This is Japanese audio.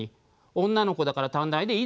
女の子だから短大でいいでしょ。